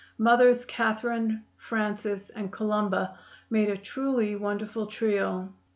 Mothers Catherine, Frances and Columba made a truly wonderful trio.